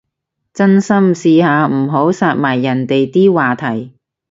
真心，試下唔好殺埋人哋啲話題